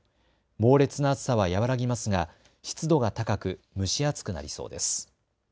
猛烈な暑さは和らぎますが湿度が高く蒸し暑くなりそうです。